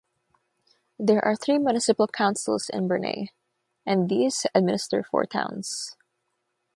There are three municipal councils in Brunei, and these administer four towns.